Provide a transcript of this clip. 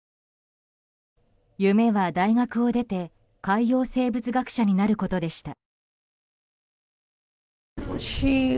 夢は大学を出て海洋生物学者になることでした。